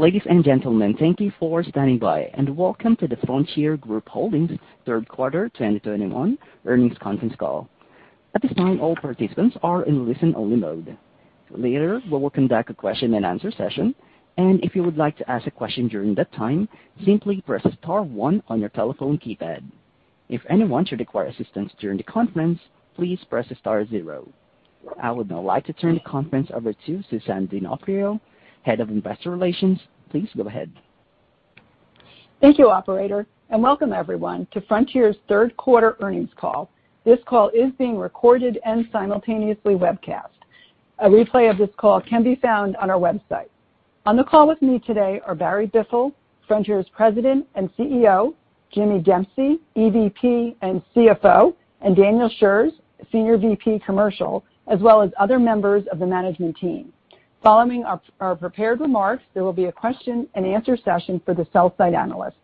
Ladies and gentlemen, thank you for standing by, and welcome to the Frontier Group Holdings Q3 2021 Earnings Conference Call. At this time, all participants are in listen-only mode. Later, we will conduct a question-and-answer session, and if you would like to ask a question during that time, simply press star one on your telephone keypad. If anyone should require assistance during the conference, please press star zero. I would now like to turn the conference over to Susan Donofrio, Head of Investor Relations. Please go ahead. Thank you, operator, and welcome everyone to Frontier's Q3 earnings call. This call is being recorded and simultaneously webcast. A replay of this call can be found on our website. On the call with me today are Barry Biffle, Frontier's President and CEO, Jimmy Dempsey, EVP and CFO, and Daniel Shurz, Senior VP Commercial, as well as other members of the management team. Following our prepared remarks, there will be a question and answer session for the sell-side analysts.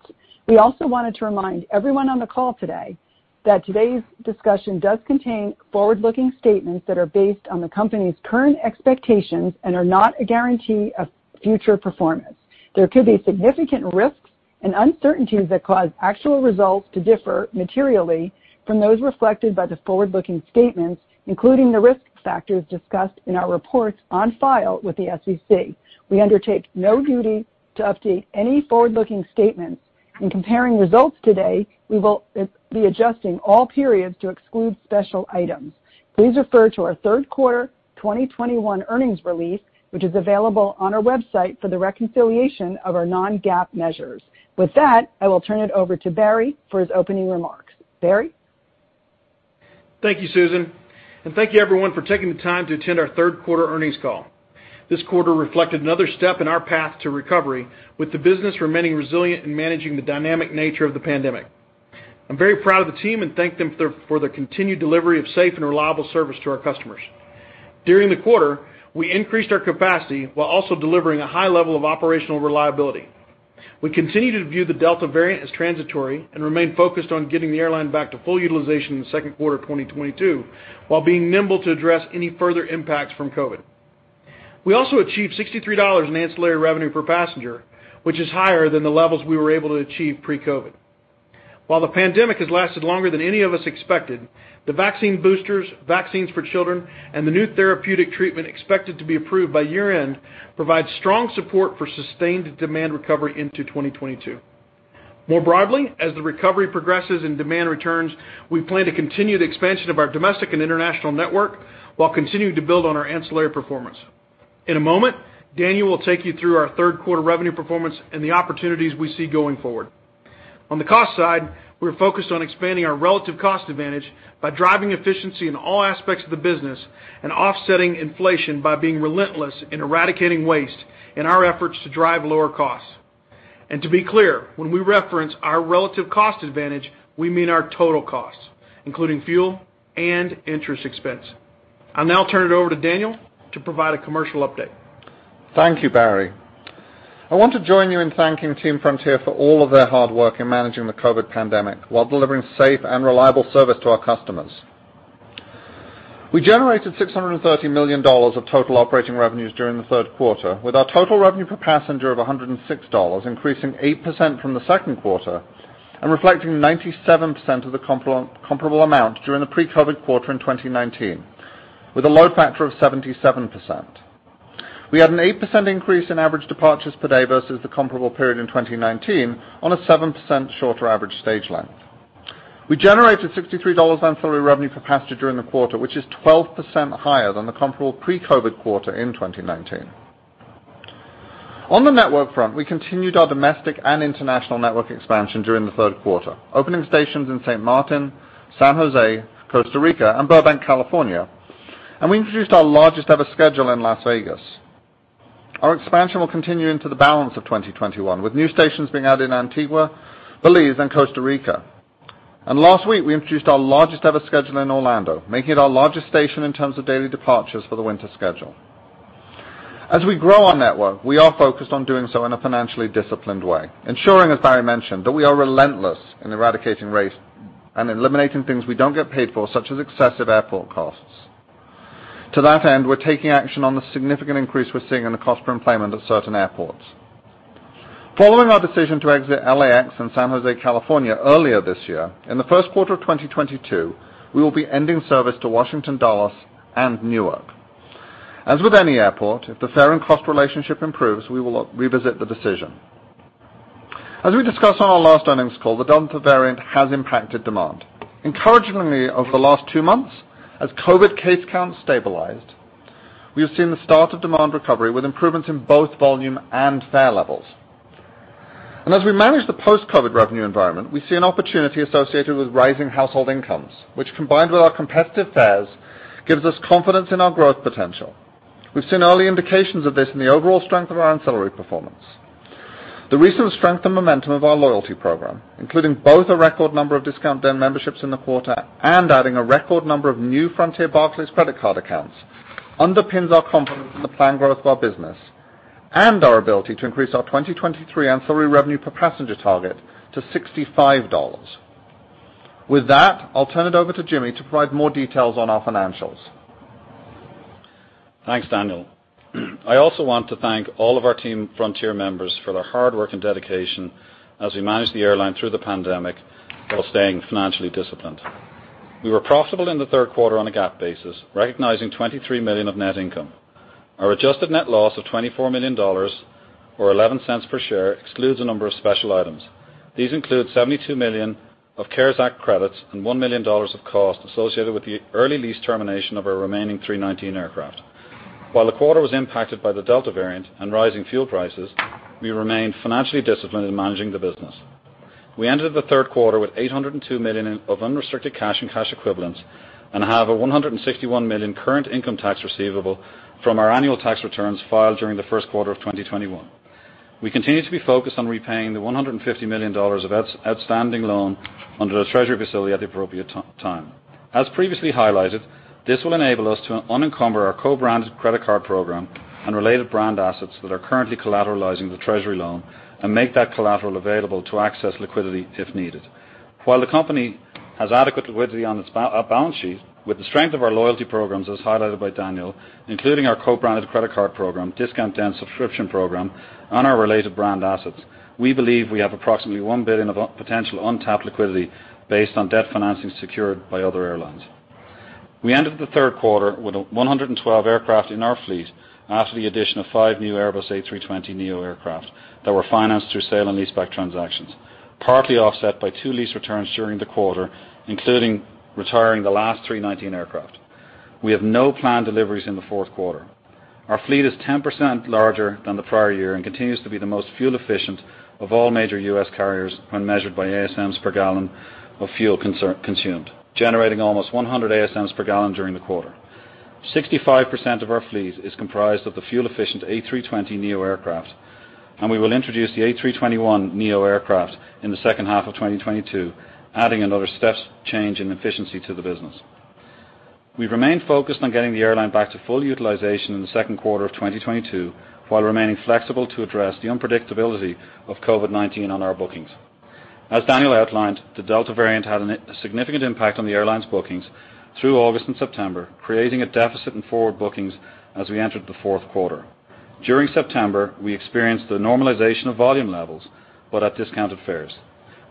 We also wanted to remind everyone on the call today that today's discussion does contain forward-looking statements that are based on the company's current expectations and are not a guarantee of future performance. There could be significant risks and uncertainties that cause actual results to differ materially from those reflected by the forward-looking statements, including the risk factors discussed in our reports on file with the SEC. We undertake no duty to update any forward-looking statements. In comparing results today, we will be adjusting all periods to exclude special items. Please refer to our Q3 2021 earnings release, which is available on our website for the reconciliation of our non-GAAP measures. With that, I will turn it over to Barry for his opening remarks. Barry? Thank you, Susan, and thank you everyone for taking the time to attend our Q3 earnings call. This quarter reflected another step in our path to recovery, with the business remaining resilient in managing the dynamic nature of the pandemic. I'm very proud of the team and thank them for their continued delivery of safe and reliable service to our customers. During the quarter, we increased our capacity while also delivering a high level of operational reliability. We continue to view the Delta variant as transitory and remain focused on getting the airline back to full utilization in the Q2 of 2022, while being nimble to address any further impacts from COVID. We also achieved $63 in ancillary revenue per passenger, which is higher than the levels we were able to achieve pre-COVID. While the pandemic has lasted longer than any of us expected, the vaccine boosters, vaccines for children, and the new therapeutic treatment expected to be approved by year-end provide strong support for sustained demand recovery into 2022. More broadly, as the recovery progresses and demand returns, we plan to continue the expansion of our domestic and international network while continuing to build on our ancillary performance. In a moment, Daniel will take you through our Q3 revenue performance and the opportunities we see going forward. On the cost side, we're focused on expanding our relative cost advantage by driving efficiency in all aspects of the business and offsetting inflation by being relentless in eradicating waste in our efforts to drive lower costs. To be clear, when we reference our relative cost advantage, we mean our total costs, including fuel and interest expense. I'll now turn it over to Daniel to provide a commercial update. Thank you, Barry. I want to join you in thanking Team Frontier for all of their hard work in managing the COVID pandemic while delivering safe and reliable service to our customers. We generated $630 million of total operating revenues during the Q3, with our total revenue per passenger of $106 increasing 8% from the Q2 and reflecting 97% of the comparable amount during the pre-COVID quarter in 2019, with a load factor of 77%. We had an 8% increase in average departures per day versus the comparable period in 2019 on a 7% shorter average stage length. We generated $63 ancillary revenue per passenger during the quarter, which is 12% higher than the comparable pre-COVID quarter in 2019. On the network front, we continued our domestic and international network expansion during the Q3, opening stations in St. Maarten, San José, Costa Rica, and Burbank, California, and we introduced our largest-ever schedule in Las Vegas. Our expansion will continue into the balance of 2021, with new stations being added in Antigua, Belize, and Costa Rica. Last week, we introduced our largest-ever schedule in Orlando, making it our largest station in terms of daily departures for the winter schedule. As we grow our network, we are focused on doing so in a financially disciplined way, ensuring, as Barry mentioned, that we are relentless in eradicating waste and eliminating things we don't get paid for, such as excessive airport costs. To that end, we're taking action on the significant increase we're seeing in the cost per enplanement at certain airports. Following our decision to exit LAX and San Jose, California earlier this year, in the Q1 of 2022, we will be ending service to Washington Dulles and Newark. As with any airport, if the fare and cost relationship improves, we will revisit the decision. As we discussed on our last earnings call, the Delta variant has impacted demand. Encouragingly, over the last two months, as COVID case counts stabilized, we have seen the start of demand recovery, with improvements in both volume and fare levels. As we manage the post-COVID revenue environment, we see an opportunity associated with rising household incomes, which, combined with our competitive fares, gives us confidence in our growth potential. We've seen early indications of this in the overall strength of our ancillary performance. The recent strength and momentum of our loyalty program, including both a record number of Discount Den memberships in the quarter and adding a record number of new Frontier Airlines World Mastercard accounts, underpins our confidence in the planned growth of our business and our ability to increase our 2023 ancillary revenue per passenger target to $65. With that, I'll turn it over to Jimmy to provide more details on our financials. Thanks, Daniel. I also want to thank all of our team Frontier members for their hard work and dedication as we manage the airline through the pandemic while staying financially disciplined. We were profitable in the Q3 on a GAAP basis, recognizing $23 million of net income. Our adjusted net loss of $24 million or $0.11 per share excludes a number of special items. These include $72 million of CARES Act credits and $1 million of costs associated with the early lease termination of our remaining A319 aircraft. While the quarter was impacted by the Delta variant and rising fuel prices, we remained financially disciplined in managing the business. We ended the Q3 with $802 million in unrestricted cash and cash equivalents, and have a $161 million current income tax receivable from our annual tax returns filed during the Q1 of 2021. We continue to be focused on repaying the $150 million of outstanding loan under the treasury facility at the appropriate time. As previously highlighted, this will enable us to unencumber our co-branded credit card program and related brand assets that are currently collateralizing the treasury loan and make that collateral available to access liquidity if needed. While the company has adequate liquidity on its balance sheet, with the strength of our loyalty programs, as highlighted by Daniel, including our co-branded credit card program, Discount Den subscription program, and our related brand assets, we believe we have approximately $1 billion of potential untapped liquidity based on debt financing secured by other airlines. We ended the Q3 with 112 aircraft in our fleet after the addition of five new Airbus A320neo aircraft that were financed through sale and leaseback transactions, partly offset by two lease returns during the quarter, including retiring the last A319 aircraft. We have no planned deliveries in the Q4. Our fleet is 10% larger than the prior year and continues to be the most fuel efficient of all major U.S. carriers when measured by ASMs per gallon of fuel consumed, generating almost 100 ASMs per gallon during the quarter. 65% of our fleet is comprised of the fuel-efficient A320neo aircraft, and we will introduce the A321neo aircraft in the second half of 2022, adding another step change in efficiency to the business. We remain focused on getting the airline back to full utilization in the Q2 of 2022, while remaining flexible to address the unpredictability of COVID-19 on our bookings. As Daniel outlined, the Delta variant had a significant impact on the airline's bookings through August and September, creating a deficit in forward bookings as we entered the Q4. During September, we experienced the normalization of volume levels, but at discounted fares.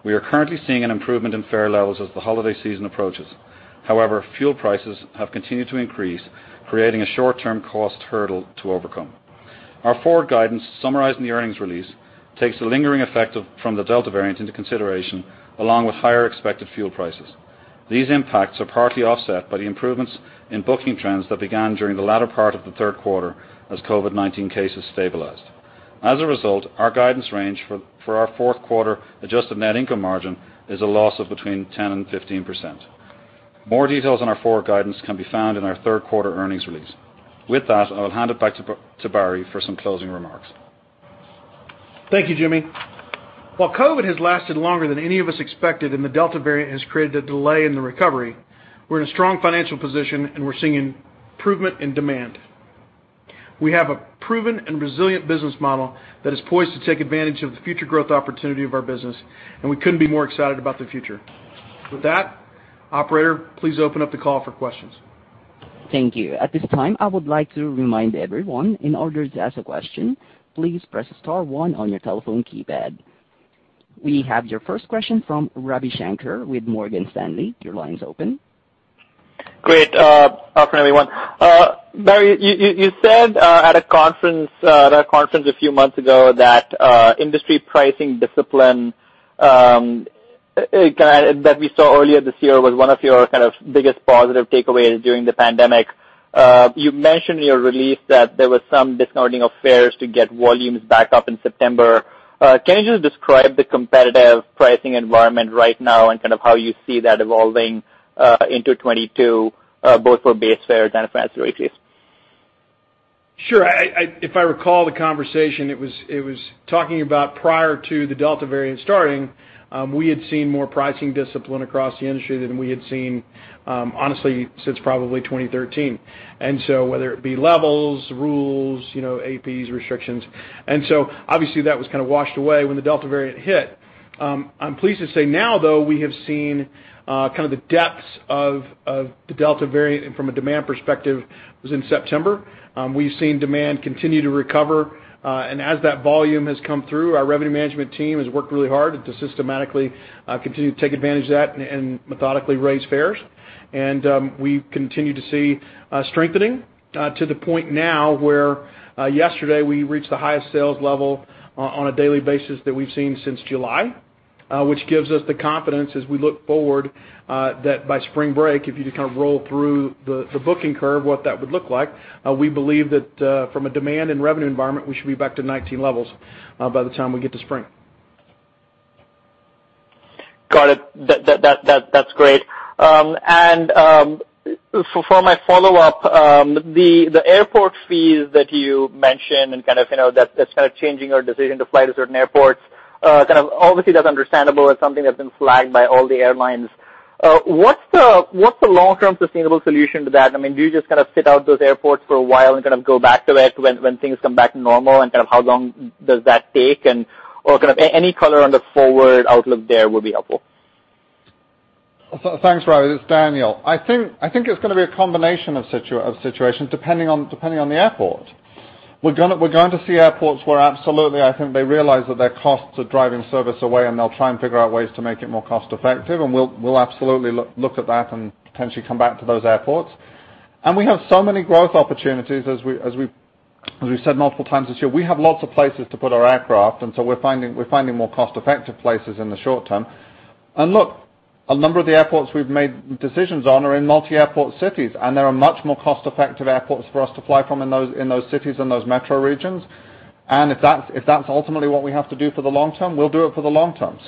We are currently seeing an improvement in fare levels as the holiday season approaches. However, fuel prices have continued to increase, creating a short-term cost hurdle to overcome. Our forward guidance, summarized in the earnings release, takes the lingering effect from the Delta variant into consideration, along with higher expected fuel prices. These impacts are partly offset by the improvements in booking trends that began during the latter part of the Q3 as COVID-19 cases stabilized. As a result, our guidance range for our Q4 adjusted net income margin is a loss of between 10% and 15%. More details on our forward guidance can be found in our Q3 earnings release. With that, I will hand it back to Barry for some closing remarks. Thank you, Jimmy. While COVID has lasted longer than any of us expected, and the Delta variant has created a delay in the recovery, we're in a strong financial position, and we're seeing improvement in demand. We have a proven and resilient business model that is poised to take advantage of the future growth opportunity of our business, and we couldn't be more excited about the future. With that, operator, please open up the call for questions. Thank you. At this time, I would like to remind everyone, in order to ask a question, please press star one on your telephone keypad. We have your first question from Ravi Shanker with Morgan Stanley. Your line is open. Great afternoon, everyone. Barry, you said at a conference a few months ago that industry pricing discipline that we saw earlier this year was one of your kind of biggest positive takeaways during the pandemic. You mentioned in your release that there was some discounting of fares to get volumes back up in September. Can you just describe the competitive pricing environment right now and kind of how you see that evolving into 2022, both for base fares and for ancillary fees? Sure. If I recall the conversation, it was talking about prior to the Delta variant starting, we had seen more pricing discipline across the industry than we had seen, honestly since probably 2013. Whether it be levels, rules, you know, APs, restrictions. Obviously that was kind of washed away when the Delta variant hit. I'm pleased to say now, though, we have seen kind of the depths of the Delta variant from a demand perspective was in September. We've seen demand continue to recover. As that volume has come through, our revenue management team has worked really hard to systematically continue to take advantage of that and methodically raise fares. We continue to see strengthening to the point now where yesterday we reached the highest sales level on a daily basis that we've seen since July, which gives us the confidence as we look forward that by spring break, if you just kind of roll through the booking curve, what that would look like. We believe that from a demand and revenue environment, we should be back to 2019 levels by the time we get to spring. Got it. That's great. For my follow-up, the airport fees that you mentioned and kind of, you know, that's kind of changing your decision to fly to certain airports, kind of obviously that's understandable. It's something that's been flagged by all the airlines. What's the long-term sustainable solution to that? I mean, do you just kind of sit out those airports for a while and kind of go back to it when things come back to normal? Kind of how long does that take? Or kind of any color on the forward outlook there would be helpful. Thanks, Ravi. It's Daniel. I think it's gonna be a combination of situations depending on the airport. We're going to see airports where absolutely, I think they realize that their costs are driving service away, and they'll try and figure out ways to make it more cost-effective, and we'll absolutely look at that and potentially come back to those airports. We have so many growth opportunities as we said multiple times this year. We have lots of places to put our aircraft, and so we're finding more cost-effective places in the short term. Look, a number of the airports we've made decisions on are in multi-airport cities, and there are much more cost-effective airports for us to fly from in those cities and those metro regions. If that's ultimately what we have to do for the long term, we'll do it for the long term.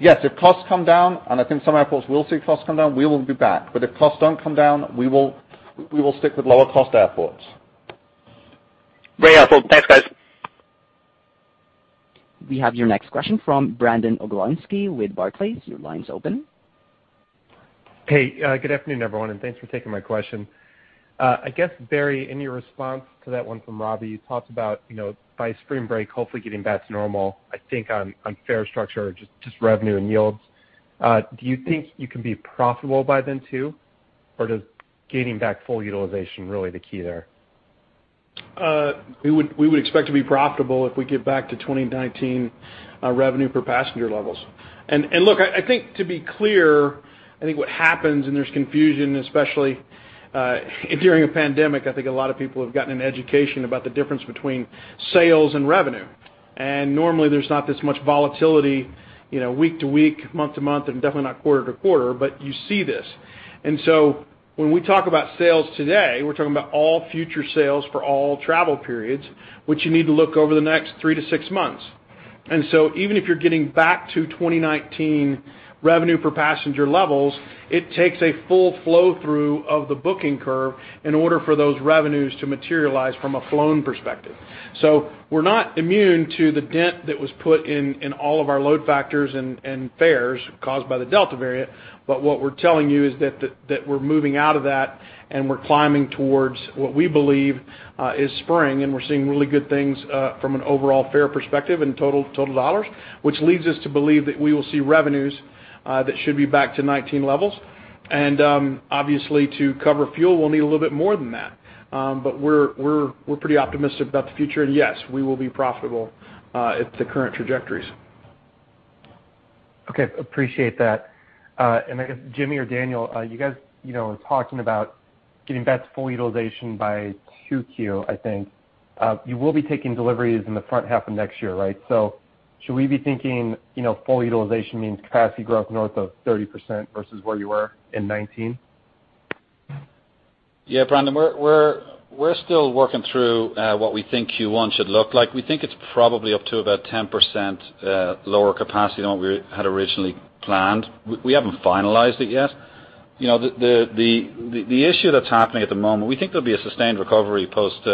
Yes, if costs come down, and I think some airports will see costs come down, we will be back. If costs don't come down, we will stick with lower cost airports. Great. That's all. Thanks, guys. We have your next question from Brandon Oglenski with Barclays. Your line's open. Hey, good afternoon, everyone, and thanks for taking my question. I guess, Barry, in your response to that one from Ravi, you talked about by spring break, hopefully getting back to normal, I think on fare structure or just revenue and yields. Do you think you can be profitable by then too, or is gaining back full utilization really the key there? We would expect to be profitable if we get back to 2019 revenue per passenger levels. Look, I think to be clear, I think what happens and there's confusion, especially during a pandemic. I think a lot of people have gotten an education about the difference between sales and revenue. Normally, there's not this much volatility, you know, week to week, month to month, and definitely not quarter to quarter, but you see this. When we talk about sales today, we're talking about all future sales for all travel periods, which you need to look over the next three to six months. Even if you're getting back to 2019 revenue per passenger levels, it takes a full flow through of the booking curve in order for those revenues to materialize from a flown perspective. We're not immune to the dent that was put in in all of our load factors and fares caused by the Delta variant. What we're telling you is that we're moving out of that, and we're climbing towards what we believe is strong, and we're seeing really good things from an overall fare perspective and total dollars, which leads us to believe that we will see revenues that should be back to 2019 levels. Obviously, to cover fuel, we'll need a little bit more than that. We're pretty optimistic about the future. Yes, we will be profitable at the current trajectories. Okay. Appreciate that. I guess Jimmy or Daniel, you guys, you know, are talking about getting back to full utilization by Q2, I think. You will be taking deliveries in the front half of next year, right? Should we be thinking, you know, full utilization means capacity growth north of 30% versus where you were in 2019? Yeah, Brandon, we're still working through what we think Q1 should look like. We think it's probably up to about 10% lower capacity than what we had originally planned. We haven't finalized it yet. The issue that's happening at the moment, we think there'll be a sustained recovery post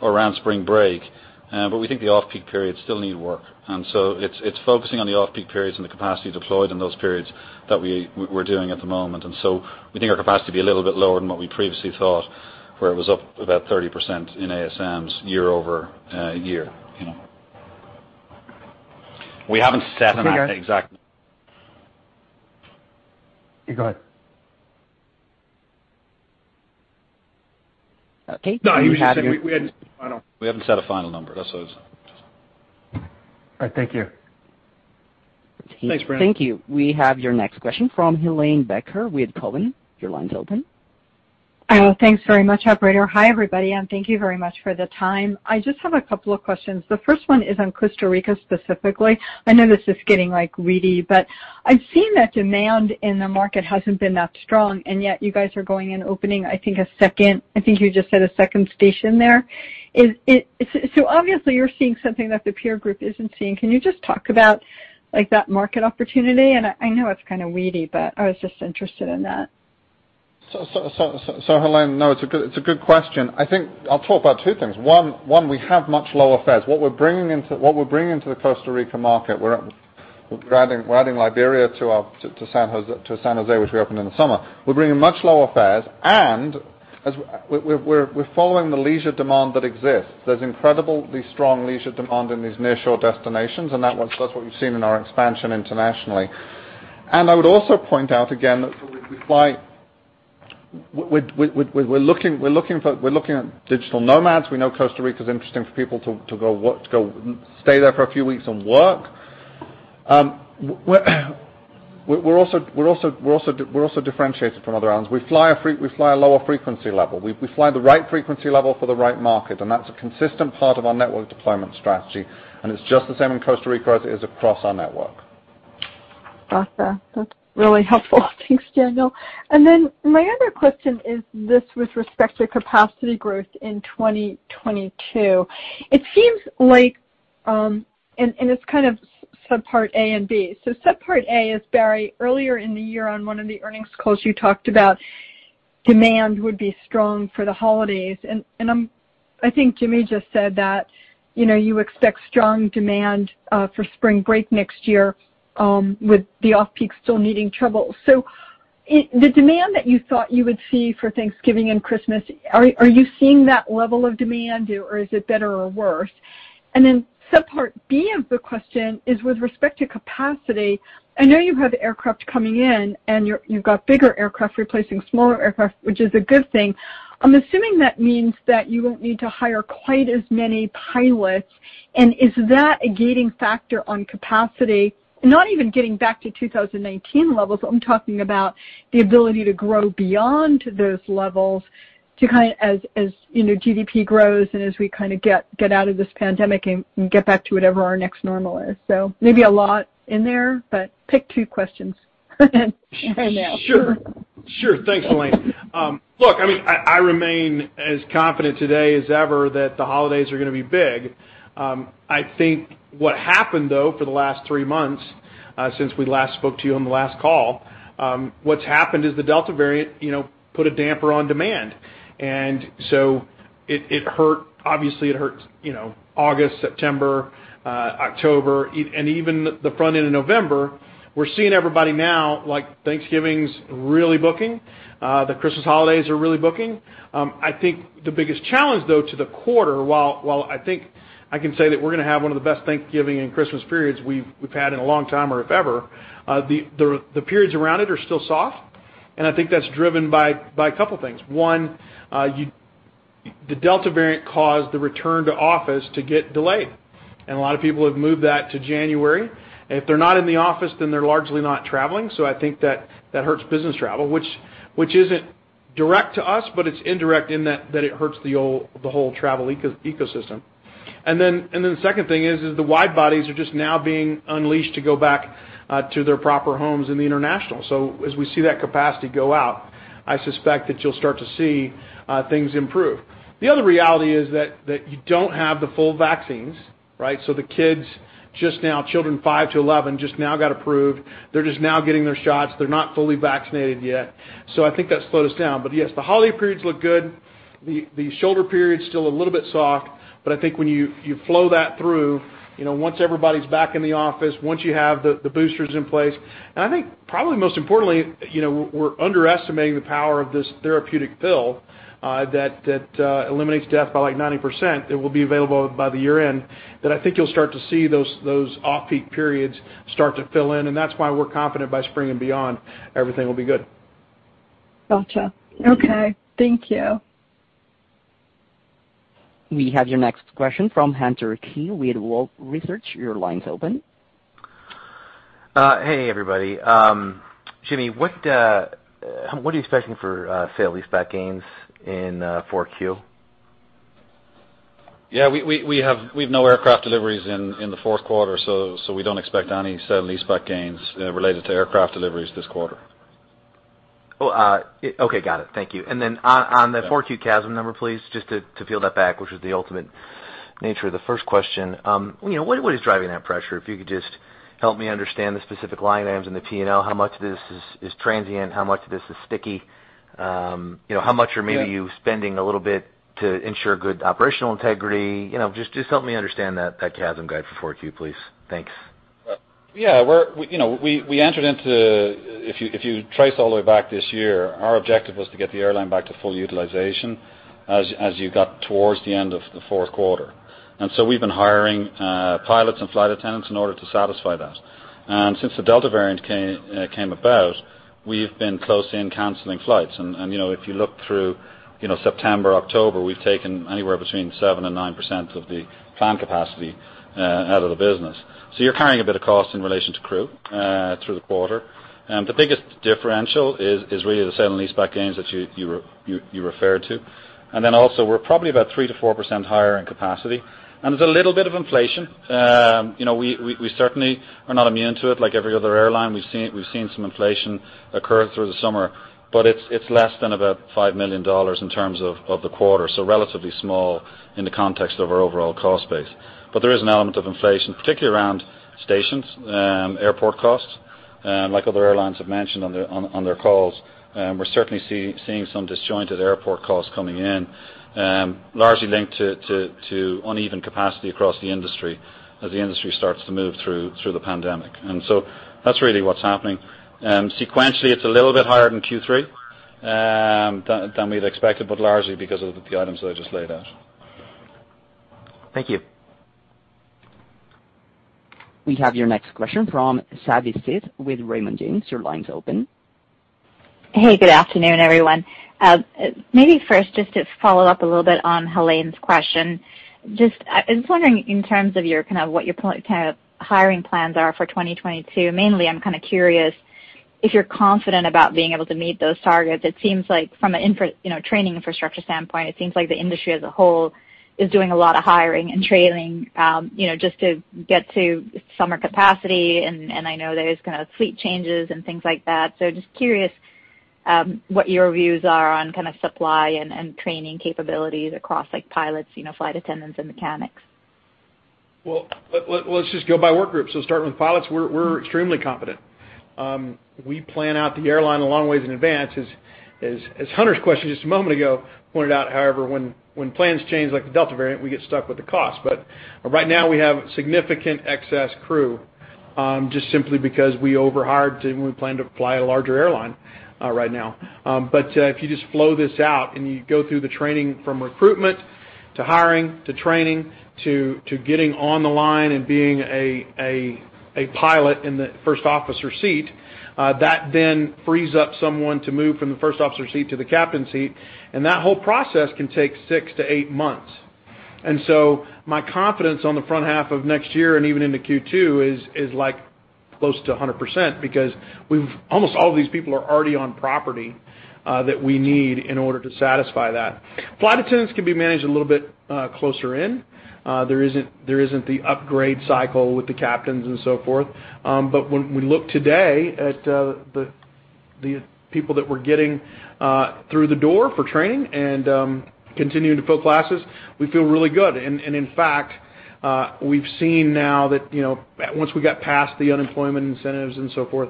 around spring break, but we think the off-peak periods still need work. It's focusing on the off-peak periods and the capacity deployed in those periods that we're doing at the moment. We think our capacity will be a little bit lower than what we previously thought, where it was up about 30% in ASMs year over year. We haven't set an exact- Okay. Yeah, go ahead. Okay. No, he was just saying we had. We haven't set a final number. That's all I was saying. All right. Thank you. Thanks, Brandon. Thank you. We have your next question from Helane Becker with Cowen. Your line's open. Thanks very much, operator. Hi, everybody, and thank you very much for the time. I just have a couple of questions. The first one is on Costa Rica specifically. I know this is getting, like, weedy, but I've seen that demand in the market hasn't been that strong, and yet you guys are going and opening, I think, a second station there. I think you just said a second station there. So obviously you're seeing something that the peer group isn't seeing. Can you just talk about, like, that market opportunity? I know it's kinda weedy, but I was just interested in that. Helane, it's a good question. I think I'll talk about two things. One, we have much lower fares. What we're bringing to the Costa Rica market, we're adding Liberia to San José, which we opened in the summer. We're bringing much lower fares, and we're looking at digital nomads. We know Costa Rica is interesting for people to go work, to stay there for a few weeks and work. We're also differentiated from other airlines. We fly a lower frequency level. We fly the right frequency level for the right market, and that's a consistent part of our network deployment strategy, and it's just the same in Costa Rica as it is across our network. Got that. That's really helpful. Thanks, Daniel. Then my other question is this with respect to capacity growth in 2022. It seems like it's kind of sub-part A and B. Sub-part A is, Barry, earlier in the year on one of the earnings calls, you talked about demand would be strong for the holidays. I think Jimmy just said that, you know, you expect strong demand for spring break next year with the off-peak still needing travel. The demand that you thought you would see for Thanksgiving and Christmas, are you seeing that level of demand or is it better or worse? Then subpart B of the question is with respect to capacity. I know you have aircraft coming in and you've got bigger aircraft replacing smaller aircraft, which is a good thing. I'm assuming that means that you won't need to hire quite as many pilots. Is that a gating factor on capacity? Not even getting back to 2019 levels, I'm talking about the ability to grow beyond those levels to kind of as you know, GDP grows and as we kind of get out of this pandemic and get back to whatever our next normal is. Maybe a lot in there, but pick two questions right now. Sure. Sure. Thanks, Helane. Look, I mean, I remain as confident today as ever that the holidays are gonna be big. I think what happened, though, for the last three months, since we last spoke to you on the last call, what's happened is the Delta variant, you know, put a damper on demand. It hurt obviously, you know, August, September, October, and even the front end of November. We're seeing everybody now, like Thanksgiving's really booking, the Christmas holidays are really booking. I think the biggest challenge, though, to the quarter, while I think I can say that we're gonna have one of the best Thanksgiving and Christmas periods we've had in a long time or if ever, the periods around it are still soft, and I think that's driven by a couple things. One, the Delta variant caused the return to office to get delayed, and a lot of people have moved that to January. If they're not in the office, then they're largely not traveling, so I think that hurts business travel, which isn't direct to us, but it's indirect in that it hurts the whole travel ecosystem. The second thing is the wide bodies are just now being unleashed to go back to their proper homes in the international. As we see that capacity go out, I suspect that you'll start to see things improve. The other reality is that you don't have the full vaccines, right? The kids just now, children five to 11, just now got approved. They're just now getting their shots. They're not fully vaccinated yet. I think that slowed us down. Yes, the holiday periods look good. The shoulder period's still a little bit soft, but I think when you flow that through, you know, once everybody's back in the office, once you have the boosters in place. I think probably most importantly, you know, we're underestimating the power of this therapeutic pill that eliminates death by like 90%. It will be available by the year-end. I think you'll start to see those off-peak periods start to fill in. That's why we're confident by spring and beyond, everything will be good. Gotcha. Okay. Thank you. We have your next question from Hunter Keay with Wolfe Research. Your line's open. Hey, everybody. Jimmy, what are you expecting for sale leaseback gains in Q4? Yeah, we have no aircraft deliveries in the Q4, so we don't expect any sale and leaseback gains related to aircraft deliveries this quarter. Well, okay, got it. Thank you. On the Q4 CASM number, please, just to peel that back, which is the ultimate nature of the first question. You know, what is driving that pressure? If you could just help me understand the specific line items in the P&L, how much of this is transient, how much of this is sticky, you know, how much are maybe you spending a little bit to ensure good operational integrity? You know, just help me understand that CASM guide for Q4, please. Thanks. Yeah. We, you know, entered into, if you trace all the way back this year, our objective was to get the airline back to full utilization as you got towards the end of the Q4. We've been hiring pilots and flight attendants in order to satisfy that. Since the Delta variant came about, we've been closely monitoring and canceling flights. You know, if you look through September, October, we've taken anywhere between 7%-9% of the planned capacity out of the business. You're carrying a bit of cost in relation to crew through the quarter. The biggest differential is really the sale and leaseback gains that you referred to. Then also we're probably about 3%-4% higher in capacity. There's a little bit of inflation. You know, we certainly are not immune to it like every other airline. We've seen some inflation occur through the summer, but it's less than about $5 million in terms of the quarter, so relatively small in the context of our overall cost base. But there is an element of inflation, particularly around stations, airport costs. Like other airlines have mentioned on their calls, we're certainly seeing some disjointed airport costs coming in, largely linked to uneven capacity across the industry as the industry starts to move through the pandemic. That's really what's happening. Sequentially, it's a little bit higher than Q3 than we'd expected, but largely because of the items that I just laid out. Thank you. We have your next question from Savi Syth with Raymond James. Your line's open. Hey, good afternoon, everyone. Maybe first just to follow up a little bit on Helane's question. Just, I was wondering in terms of your kind of what your kind of hiring plans are for 2022, mainly, I'm kind of curious if you're confident about being able to meet those targets. It seems like from an, you know, training infrastructure standpoint, it seems like the industry as a whole is doing a lot of hiring and training, you know, just to get to summer capacity. I know there's kind of fleet changes and things like that. Just curious, what your views are on kind of supply and training capabilities across like pilots, you know, flight attendants and mechanics. Well, let's just go by work groups. Start with pilots. We're extremely confident. We plan out the airline a long ways in advance. As Hunter's question just a moment ago pointed out, however, when plans change like the Delta variant, we get stuck with the cost. Right now we have significant excess crew, just simply because we overhired than we plan to fly a larger airline right now. If you just follow this out and you go through the training from recruitment to hiring to training to getting on the line and being a pilot in the first officer seat, that then frees up someone to move from the first officer seat to the captain seat, and that whole process can take 6-8 months. My confidence on the front half of next year and even into Q2 is like close to 100% because almost all of these people are already on property that we need in order to satisfy that. Flight attendants can be managed a little bit closer in. There isn't the upgrade cycle with the captains and so forth. But when we look today at the people that we're getting through the door for training and continuing to fill classes, we feel really good. In fact, we've seen now that, you know, once we got past the unemployment incentives and so forth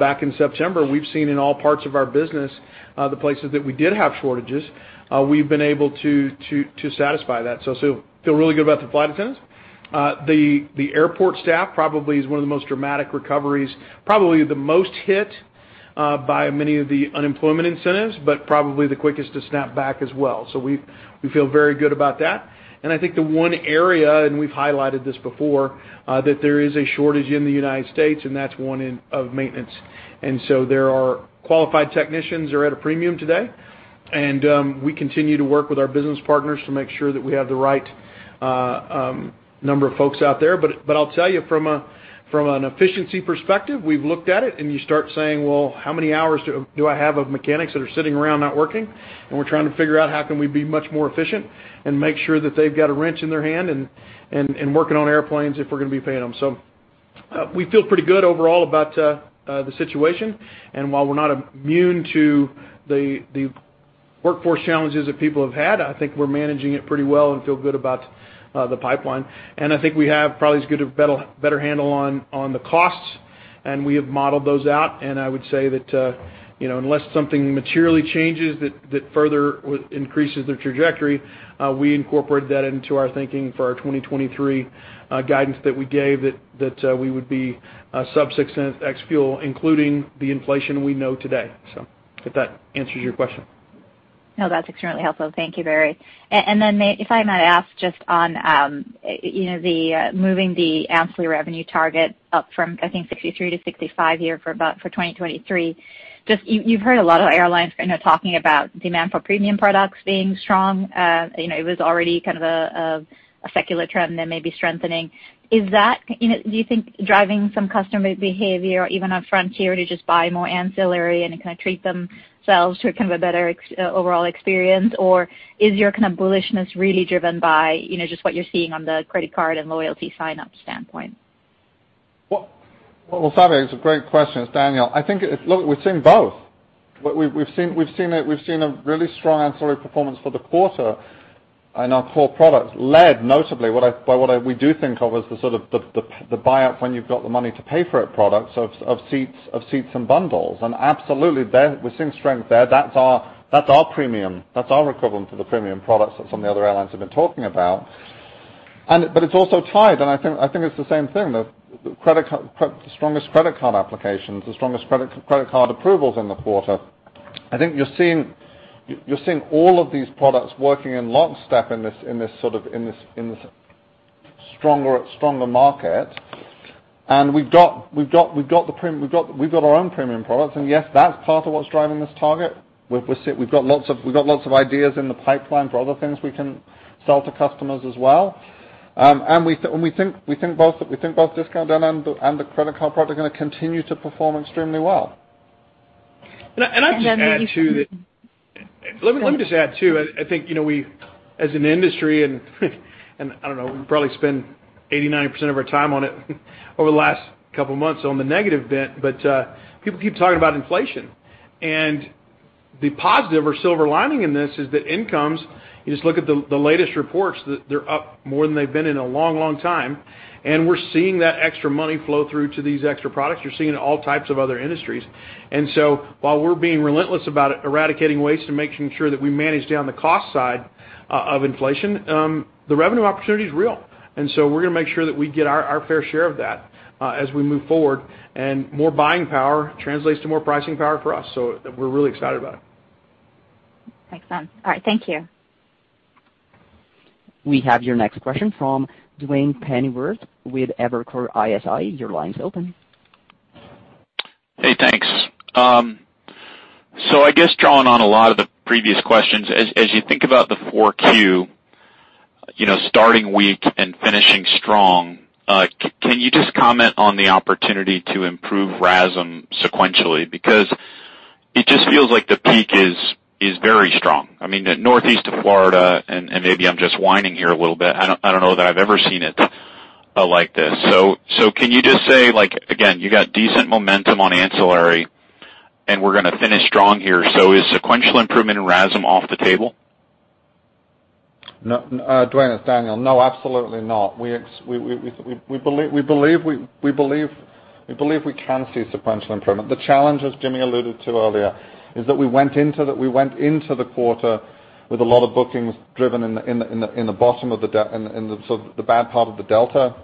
back in September, we've seen in all parts of our business the places that we did have shortages we've been able to to satisfy that. Feel really good about the flight attendants. The airport staff probably is one of the most dramatic recoveries, probably the most hit by many of the unemployment incentives, but probably the quickest to snap back as well. We feel very good about that. I think the one area, and we've highlighted this before, that there is a shortage in the United States, and that's one area of maintenance. There are qualified technicians at a premium today, and we continue to work with our business partners to make sure that we have the right number of folks out there. I'll tell you from an efficiency perspective, we've looked at it, and you start saying, "Well, how many hours do I have of mechanics that are sitting around not working?" We're trying to figure out how we can be much more efficient and make sure that they've got a wrench in their hand and working on airplanes if we're gonna be paying them. We feel pretty good overall about the situation. While we're not immune to the workforce challenges that people have had, I think we're managing it pretty well and feel good about the pipeline. I think we have probably as good a better handle on the costs. We have modeled those out. I would say that, you know, unless something materially changes that further increases the trajectory, we incorporate that into our thinking for our 2023 guidance that we gave that we would be sub $0.06 ex fuel, including the inflation we know today. If that answers your question. No, that's extremely helpful. Thank you, Barry. Then if I might ask just on, you know, the moving the ancillary revenue target up from, I think $63-$65 here for about, for 2023. Just, you've heard a lot of airlines, you know, talking about demand for premium products being strong. You know, it was already kind of a secular trend and maybe strengthening. Is that, you know, do you think driving some customer behavior or even on Frontier to just buy more ancillary and kinda treat themselves to kind of a better overall experience? Or is your kind of bullishness really driven by, you know, just what you're seeing on the credit card and loyalty sign up standpoint? Well, Savi, it's a great question. It's Daniel. Look, we've seen both. We've seen a really strong ancillary performance for the quarter in our core products, led notably by what we do think of as the sort of the buy up when you've got the money to pay for it products of seats and bundles. Absolutely, there, we're seeing strength there. That's our premium. That's our equivalent to the premium products that some of the other airlines have been talking about. It's also tied, and I think it's the same thing, the credit card—the strongest credit card applications, the strongest credit card approvals in the quarter. I think you're seeing all of these products working in lockstep in this sort of stronger market. We've got our own premium products, and yes, that's part of what's driving this target. We've got lots of ideas in the pipeline for other things we can sell to customers as well. We think both Discount Den and the Frontier Airlines World Mastercard are gonna continue to perform extremely well. Can I just add to that? You can- Let me just add, too. I think, you know, we as an industry and I don't know, we probably spend 80%-90% of our time on it over the last couple of months on the negative bit, but people keep talking about inflation. The positive or silver lining in this is that incomes, you just look at the latest reports, they're up more than they've been in a long time. We're seeing that extra money flow through to these extra products. You're seeing it in all types of other industries. While we're being relentless about eradicating waste and making sure that we manage down the cost side of inflation, the revenue opportunity is real. We're gonna make sure that we get our fair share of that as we move forward. More buying power translates to more pricing power for us, so we're really excited about it. Makes sense. All right. Thank you. We have your next question from Duane Pfennigwerth with Evercore ISI. Your line's open. Hey, thanks. So I guess drawing on a lot of the previous questions, as you think about the Q4, you know, starting weak and finishing strong, can you just comment on the opportunity to improve RASM sequentially? Because it just feels like the peak is very strong. I mean, the Northeast to Florida, and maybe I'm just whining here a little bit. I don't know that I've ever seen it like this. So can you just say, like, again, you got decent momentum on ancillary, and we're gonna finish strong here. So is sequential improvement in RASM off the table? No, Duane, it's Daniel. No, absolutely not. We believe we can see sequential improvement. The challenge, as Jimmy alluded to earlier, is that we went into the quarter with a lot of bookings driven in the bottom of the sort of bad part of the Delta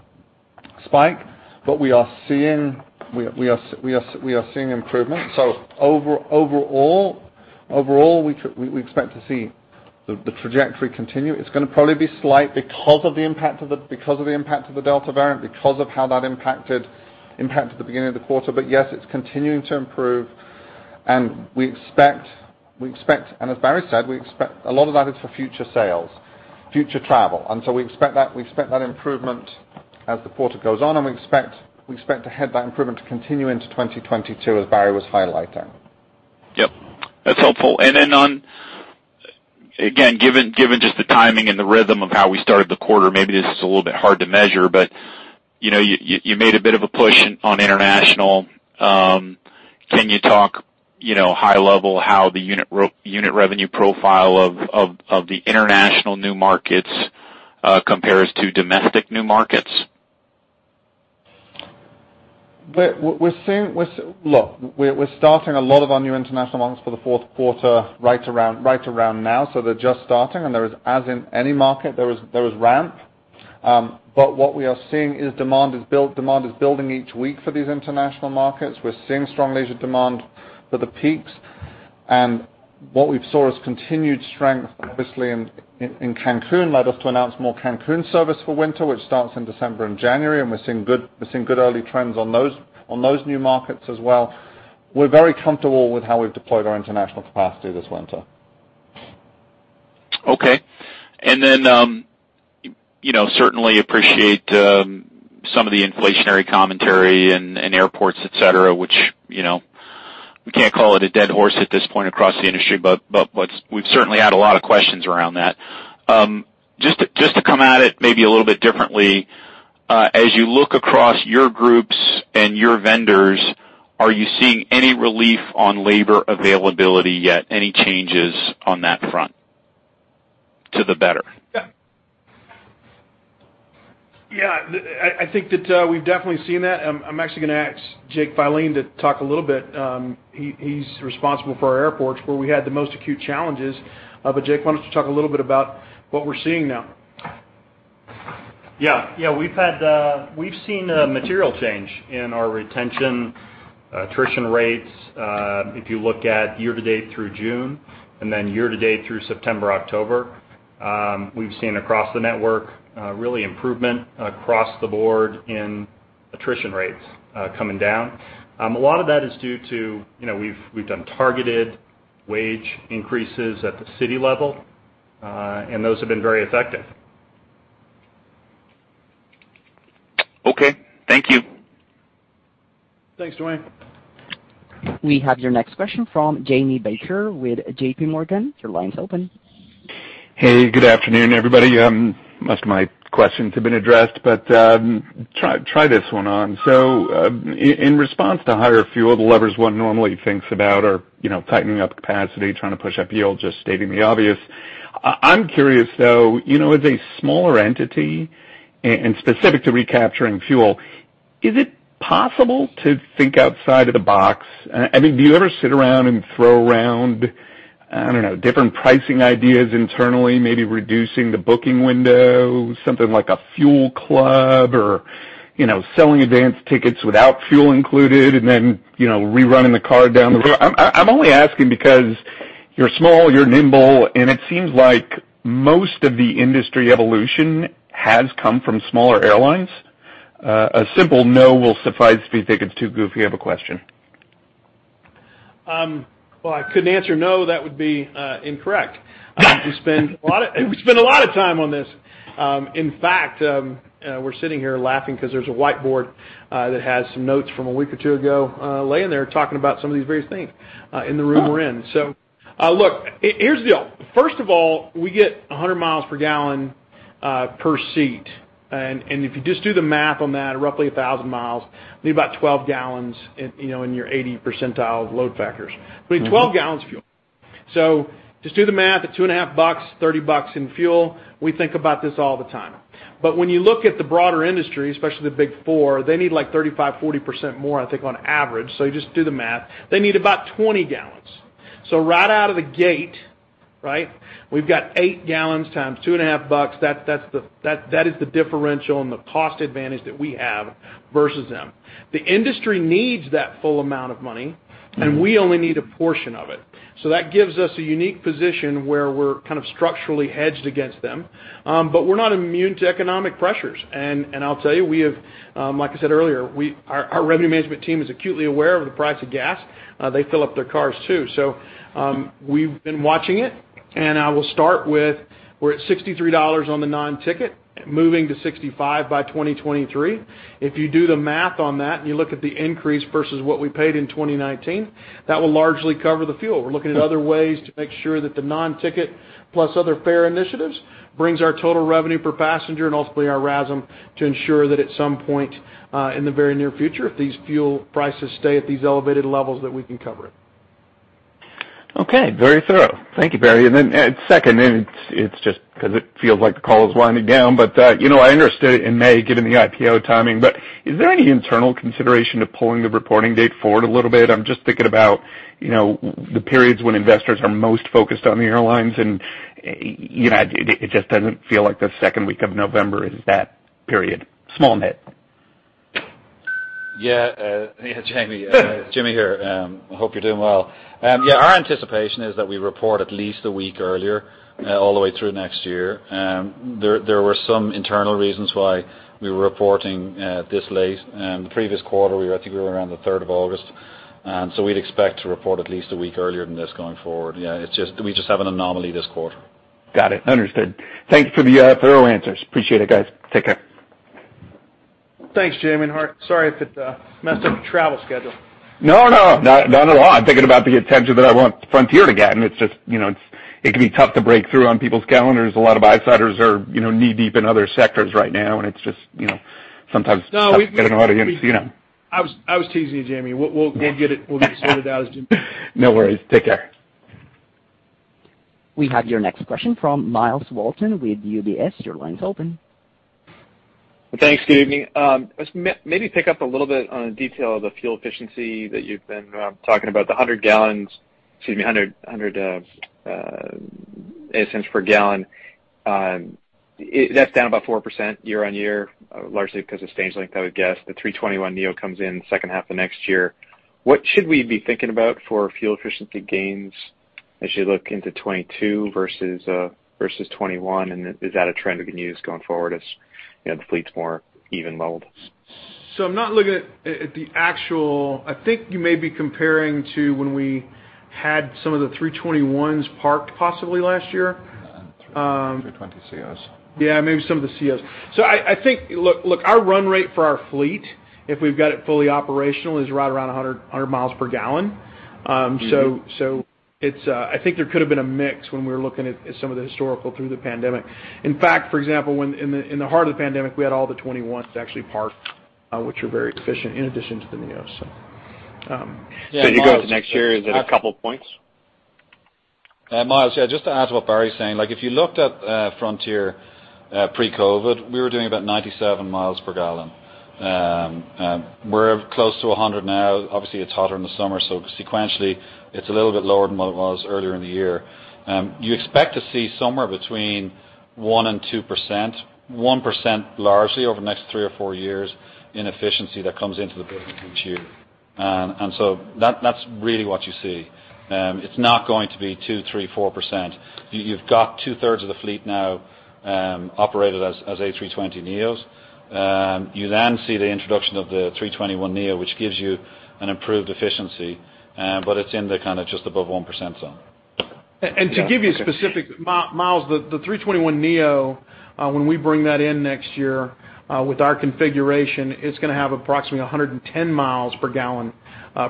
spike. We are seeing improvement. Overall, we expect to see the trajectory continue. It's gonna probably be slight because of the impact of the Delta variant, because of how that impacted the beginning of the quarter. Yes, it's continuing to improve. We expect... As Barry said, we expect a lot of that is for future sales, future travel. We expect that improvement as the quarter goes on, and we expect to have that improvement to continue into 2022, as Barry was highlighting. Yep, that's helpful. Again, given just the timing and the rhythm of how we started the quarter, maybe this is a little bit hard to measure. You know, you made a bit of a push on international. Can you talk, you know, high level how the unit revenue profile of the international new markets compares to domestic new markets? Look, we're starting a lot of our new international markets for the Q4 right around now. They're just starting, and there is ramp, as in any market. But what we are seeing is demand is building each week for these international markets. We're seeing strong leisure demand for the peaks. What we've saw is continued strength, obviously, in Cancún led us to announce more Cancún service for winter, which starts in December and January, and we're seeing good early trends on those new markets as well. We're very comfortable with how we've deployed our international capacity this winter. Okay. You know, certainly appreciate some of the inflationary commentary and airports, et cetera, which, you know, we can't call it a dead horse at this point across the industry, but we've certainly had a lot of questions around that. Just to come at it maybe a little bit differently, as you look across your groups and your vendors, are you seeing any relief on labor availability yet? Any changes on that front to the better? Yeah. Yeah, I think that we've definitely seen that. I'm actually gonna ask Jake Filene to talk a little bit. He's responsible for our airports where we had the most acute challenges. Jake, why don't you talk a little bit about what we're seeing now? Yeah. Yeah, we've had, we've seen a material change in our retention, attrition rates. If you look at year to date through June, and then year to date through September, October, we've seen across the network, really improvement across the board in attrition rates, coming down. A lot of that is due to, you know, we've done targeted wage increases at the city level, and those have been very effective. Okay, thank you. Thanks, Duane. We have your next question from Jamie Baker with JPMorgan. Your line's open. Hey, good afternoon, everybody. Most of my questions have been addressed, but try this one on. In response to higher fuel, the levers one normally thinks about are, you know, tightening up capacity, trying to push up yield, just stating the obvious. I'm curious though, you know, as a smaller entity and specific to recapturing fuel, is it possible to think outside of the box? I mean, do you ever sit around and throw around, I don't know, different pricing ideas internally, maybe reducing the booking window, something like a fuel club or, you know, selling advanced tickets without fuel included and then, you know, rerunning the card down the road? I'm only asking because you're small, you're nimble, and it seems like most of the industry evolution has come from smaller airlines. A simple no will suffice if you think it's too goofy of a question. Well, I couldn't answer no. That would be incorrect. We spend a lot of time on this. In fact, we're sitting here laughing because there's a whiteboard that has some notes from a week or two ago laying there talking about some of these various things in the room we're in. Look, here's the deal. First of all, we get 100 MPG per seat. If you just do the math on that, roughly 1,000 mi, need about 12 gallons in, you know, in your 80 percentile of load factors. We need 12 gallons of fuel. Just do the math at $2.50, $30 in fuel. We think about this all the time. When you look at the broader industry, especially the Big Four, they need like 35%-40% more, I think, on average. You just do the math. They need about 20 gallons. Right out of the gate, right, we've got 8 gallons x $2.5. That's the differential and the cost advantage that we have versus them. The industry needs that full amount of money, and we only need a portion of it. That gives us a unique position where we're kind of structurally hedged against them. We're not immune to economic pressures. I'll tell you, like I said earlier, our revenue management team is acutely aware of the price of gas. They fill up their cars, too. We've been watching it, and I will start with we're at $63 on the non-ticket, moving to $65 by 2023. If you do the math on that and you look at the increase versus what we paid in 2019, that will largely cover the fuel. We're looking at other ways to make sure that the non-ticket plus other fare initiatives brings our total revenue per passenger and ultimately our RASM to ensure that at some point, in the very near future, if these fuel prices stay at these elevated levels, that we can cover it. Okay, very thorough. Thank you, Barry. Second, and it's just 'cause it feels like the call is winding down, but you know, I understood it in May, given the IPO timing, but is there any internal consideration to pulling the reporting date forward a little bit? I'm just thinking about, you know, the periods when investors are most focused on the airlines, and you know, it just doesn't feel like the second week of November is that period. Small nit. Yeah, Jamie. Jimmy here. I hope you're doing well. Yeah, our anticipation is that we report at least a week earlier all the way through next year. There were some internal reasons why we were reporting this late. The previous quarter, I think we were around the third of August. We'd expect to report at least a week earlier than this going forward. Yeah, it's just we just have an anomaly this quarter. Got it. Understood. Thanks for the thorough answers. Appreciate it, guys. Take care. Thanks, Jamie. Sorry if it messed up your travel schedule. No, no. Not at all. I'm thinking about the attention that I want Frontier to get, and it's just, you know, it can be tough to break through on people's calendars. A lot of outsiders are, you know, knee-deep in other sectors right now, and it's just, you know, sometimes. No, we- Tough to get an audience. You know? I was teasing you, Jamie. We'll get it sorted out in- No worries. Take care. We have your next question from Myles Walton with UBS. Your line's open. Thanks. Good evening. Just maybe pick up a little bit on the detail of the fuel efficiency that you've been talking about, the hundred cents per gallon. That's down about 4% year-over-year, largely because of stage length, I would guess. The A321neo comes in second half of next year. What should we be thinking about for fuel efficiency gains as you look into 2022 versus 2021? Is that a trend we can use going forward as, you know, the fleet's more even-leveled? I'm not looking at the actual. I think you may be comparing to when we had some of the 321s parked possibly last year. A320ceos. Yeah, maybe some of the ceos. I think, look, our run rate for our fleet, if we've got it fully operational, is right around 100 MPG. It's. I think there could have been a mix when we were looking at some of the historical through the pandemic. In fact, for example, when in the heart of the pandemic, we had all the twenty-ones actually parked, which are very efficient in addition to the neos. Yeah. You go to next year, is it a couple points? Myles, yeah, just to add to what Barry's saying, like if you looked at Frontier pre-COVID, we were doing about 97 MPG. We're close to 100 MPG now. Obviously it's hotter in the summer, so sequentially it's a little bit lower than what it was earlier in the year. You expect to see somewhere between 1%-2%, 1% largely over the next three or four years in efficiency that comes into the building each year. That's really what you see. It's not going to be 2%, 3%, 4%. You've got two-thirds of the fleet now operated as A320neos. You then see the introduction of the A321neo, which gives you an improved efficiency, but it's in the kinda just above 1% zone. To give you specific, Myles, the 321neo, when we bring that in next year, with our configuration, it's gonna have approximately 110 MPG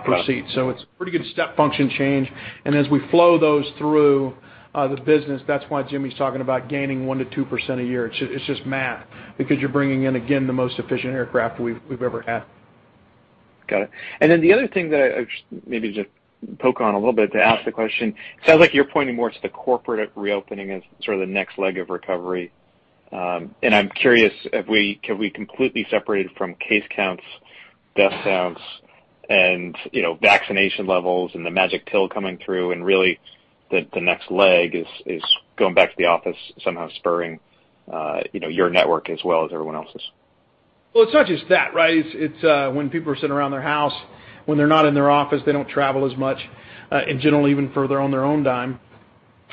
per seat. It's a pretty good step function change. As we flow those through the business, that's why Jimmy's talking about gaining 1%-2% a year. It's just math because you're bringing in, again, the most efficient aircraft we've ever had. Got it. The other thing that I've maybe just poke on a little bit to ask the question, sounds like you're pointing more to the corporate reopening as sort of the next leg of recovery. I'm curious if we can completely separate it from case counts, death counts, and, you know, vaccination levels and the magic pill coming through, and really the next leg is going back to the office, somehow spurring, you know, your network as well as everyone else's? Well, it's not just that, right? It's when people are sitting around their house, when they're not in their office, they don't travel as much in general, even for their own dime.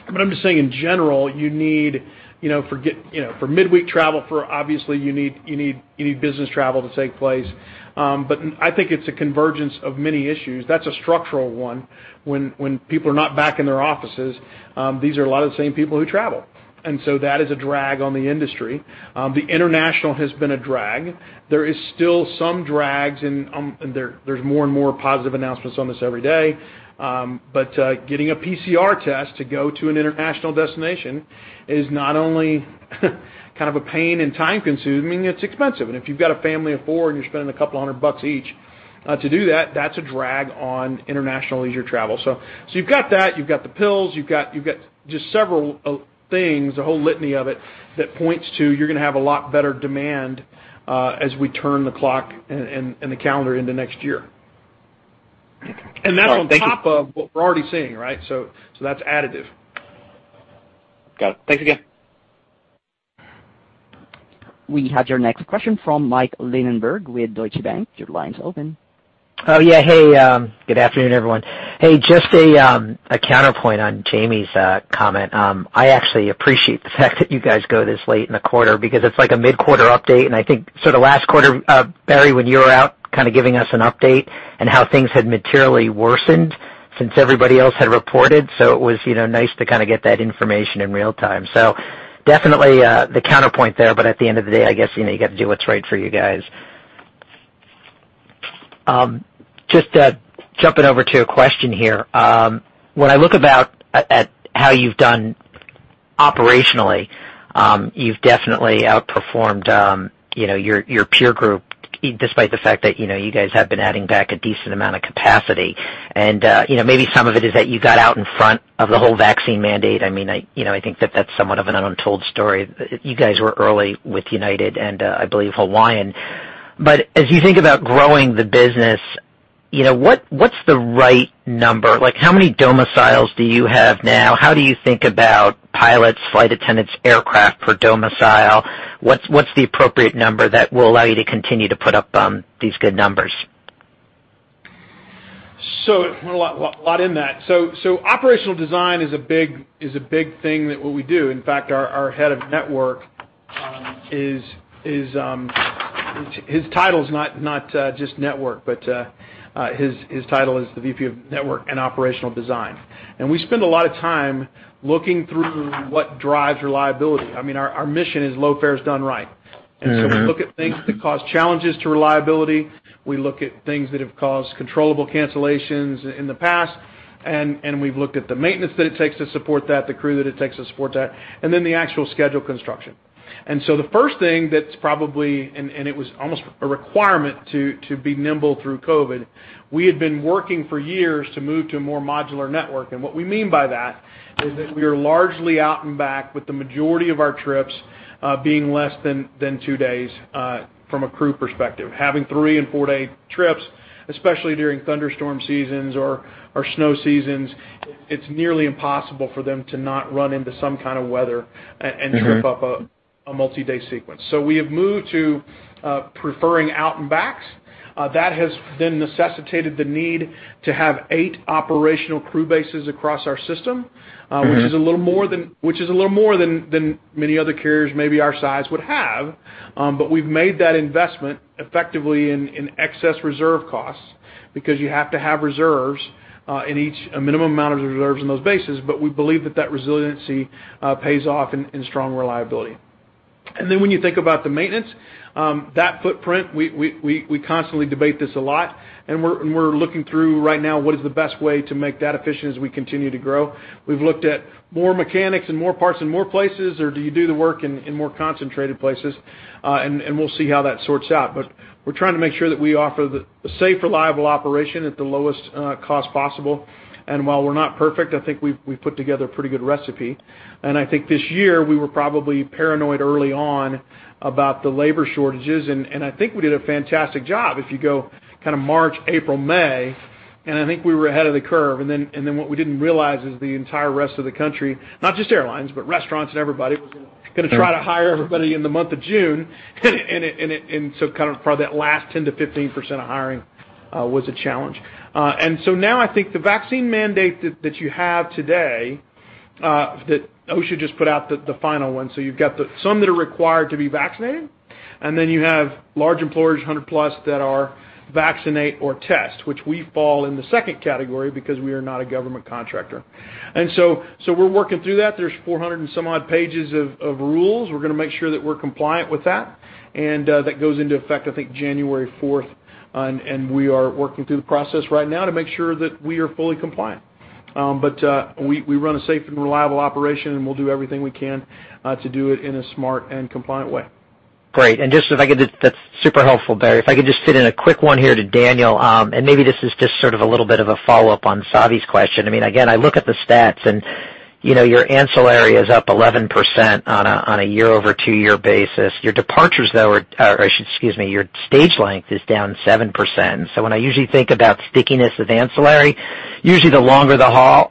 I'm just saying in general, you need, you know, forget, you know, for midweek travel. Obviously you need business travel to take place. I think it's a convergence of many issues. That's a structural one when people are not back in their offices. These are a lot of the same people who travel, and so that is a drag on the industry. The international has been a drag. There is still some drag and there's more and more positive announcements on this every day. Getting a PCR test to go to an international destination is not only kind of a pain and time-consuming, it's expensive. If you've got a family of four and you're spending $200 each to do that's a drag on international leisure travel. You've got that, you've got the pills, you've got just several things, a whole litany of it that points to you're gonna have a lot better demand as we turn the clock and the calendar into next year. Okay. All right. Thank you. That's on top of what we're already seeing, right? That's additive. Got it. Thanks again. We have your next question from Mike Linenberg with Deutsche Bank. Your line's open. Oh, yeah. Hey, good afternoon, everyone. Hey, just a counterpoint on Jamie's comment. I actually appreciate the fact that you guys go this late in the quarter because it's like a mid-quarter update, and I think sort of last quarter, Barry, when you were out kinda giving us an update on how things had materially worsened since everybody else had reported, so it was, you know, nice to kinda get that information in real time. Definitely, the counterpoint there, but at the end of the day, I guess, you know, you gotta do what's right for you guys. Just jumping over to a question here, when I look about at how you've done. Operationally, you've definitely outperformed, you know, your peer group, despite the fact that, you know, you guys have been adding back a decent amount of capacity. You know, maybe some of it is that you got out in front of the whole vaccine mandate. I mean, you know, I think that that's somewhat of an untold story. You guys were early with United and, I believe, Hawaiian. As you think about growing the business, you know, what's the right number? Like, how many domiciles do you have now? How do you think about pilots, flight attendants, aircraft per domicile? What's the appropriate number that will allow you to continue to put up these good numbers? A lot in that. Operational design is a big thing that we do. In fact, our head of network. His title is not just network, but his title is the VP of Network and Operational Design. We spend a lot of time looking through what drives reliability. I mean, our mission is low fares done right. Mm-hmm. We look at things that cause challenges to reliability. We look at things that have caused controllable cancellations in the past, and we've looked at the maintenance that it takes to support that, the crew that it takes to support that, and then the actual schedule construction. The first thing that's probably and it was almost a requirement to be nimble through COVID, we had been working for years to move to a more modular network. What we mean by that is that we are largely out and back, with the majority of our trips being less than two days from a crew perspective. Having three and four-day trips, especially during thunderstorm seasons or snow seasons, it's nearly impossible for them to not run into some kind of weather and... Mm-hmm ...Trip up a multi-day sequence. We have moved to preferring out and backs. That has then necessitated the need to have eight operational crew bases across our system. Mm-hmm which is a little more than many other carriers maybe our size would have. We've made that investment effectively in excess reserve costs because you have to have reserves in each, a minimum amount of reserves in those bases. We believe that resiliency pays off in strong reliability. Then when you think about the maintenance, that footprint, we constantly debate this a lot, and we're looking through right now, what is the best way to make that efficient as we continue to grow? We've looked at more mechanics and more parts in more places, or do you do the work in more concentrated places? We'll see how that sorts out. We're trying to make sure that we offer the safe, reliable operation at the lowest cost possible. While we're not perfect, I think we've put together a pretty good recipe. I think this year we were probably paranoid early on about the labor shortages, and I think we did a fantastic job. If you go kind of March, April, May, and I think we were ahead of the curve. What we didn't realize is the entire rest of the country, not just airlines, but restaurants and everybody was gonna try to hire everybody in the month of June. And so kind of probably that last 10%-15% of hiring was a challenge. Now I think the vaccine mandate that you have today, that OSHA just put out the final one. You've got some that are required to be vaccinated, and then you have large employers, 100+ that are vaccinate or test, which we fall in the second category because we are not a government contractor. We're working through that. There's 400 and some odd pages of rules. We're gonna make sure that we're compliant with that. That goes into effect, I think, 4 January. We are working through the process right now to make sure that we are fully compliant. We run a safe and reliable operation, and we'll do everything we can to do it in a smart and compliant way. Great. That's super helpful, Barry. If I could just fit in a quick one here to Daniel, and maybe this is just sort of a little bit of a follow-up on Savi's question. I mean, again, I look at the stats and, you know, your ancillary is up 11% on a year-over-year basis. Your departures, though, are, or excuse me, your stage length is down 7%. When I usually think about stickiness of ancillary, usually the longer the haul,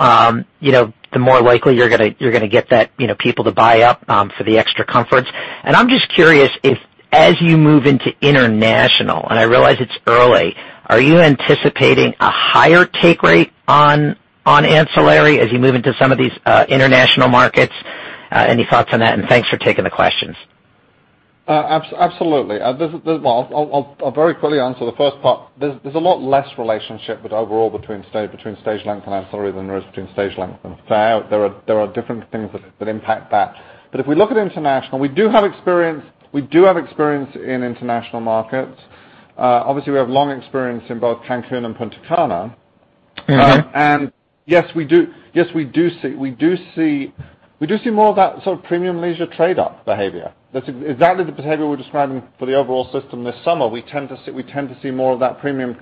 you know, the more likely you're gonna get that, you know, people to buy up for the extra comforts. I'm just curious if, as you move into international, and I realize it's early, are you anticipating a higher take rate on ancillary as you move into some of these international markets? Any thoughts on that? Thanks for taking the questions. Absolutely. There's a lot less relationship overall between stage length and ancillary than there is between stage length and fare. There are different things that impact that. If we look at international, we do have experience in international markets. Obviously, we have long experience in both Cancun and Punta Cana. Mm-hmm. Yes, we do see more of that sort of premium leisure trade-up behavior. That's exactly the behavior we're describing for the overall system this summer. We tend to see more of that premium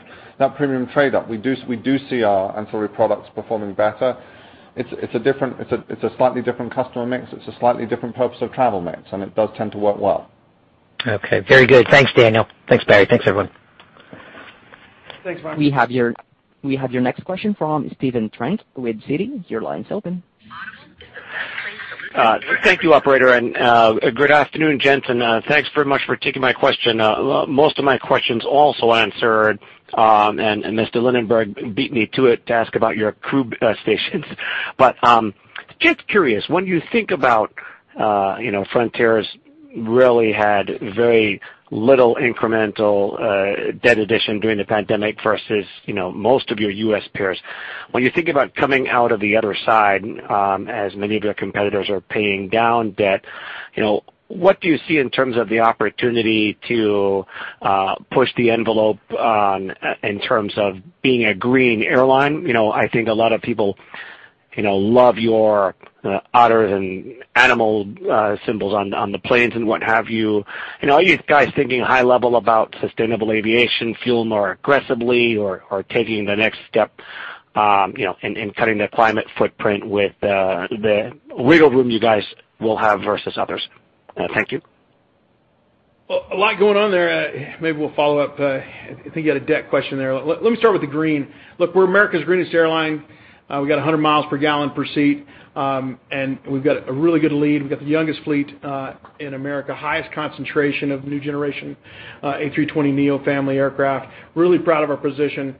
trade-up. We do see our ancillary products performing better. It's a slightly different customer mix. It's a slightly different purpose of travel mix, and it does tend to work well. Okay. Very good. Thanks, Daniel. Thanks, Barry. Thanks, everyone. Thanks, Mike. We have your next question from Stephen Trent with Citi. Your line's open. Thank you, operator, and good afternoon, gents, and thanks very much for taking my question. Most of my questions also answered, and Mr. Linenberg beat me to it to ask about your crew stations. Just curious, when you think about, you know, Frontier's really had very little incremental debt addition during the pandemic versus, you know, most of your U.S. peers. When you think about coming out of the other side, as many of your competitors are paying down debt. You know, what do you see in terms of the opportunity to push the envelope on, in terms of being a green airline? You know, I think a lot of people, you know, love your otters and animal symbols on the planes and what have you. You know, are you guys thinking high level about sustainable aviation fuel more aggressively or taking the next step, you know, in cutting the climate footprint with the wiggle room you guys will have versus others? Thank you. Well, a lot going on there. Maybe we'll follow up. I think you had a debt question there. Let me start with the green. Look, we're America's greenest airline. We got 100 MPG per seat. And we've got a really good lead. We've got the youngest fleet in America, highest concentration of new generation A320neo family aircraft. Really proud of our position.